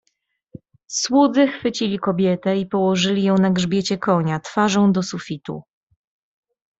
"Słudzy chwycili kobietę i położyli ją na grzbiecie konia twarzą do sufitu."